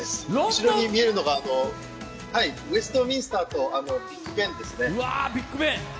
後ろに見えるのがウェストミンスターとビッグベンですね。